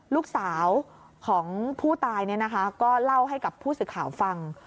ลูกสาวของผู้ตายก็เล่าให้กับผู้สื่อข่าวฟัง